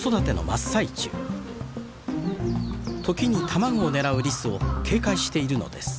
時に卵を狙うリスを警戒しているのです。